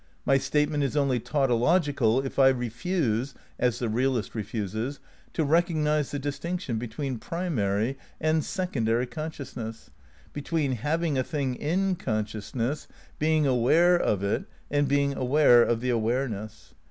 My statement is only tautological if I refuse, as the realist refuses, to recog nise the distinction between primary and secondary consciousness, between having a thing in consciousness, being aware of it, and being aware of the awareness.